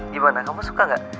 gimana kamu suka gak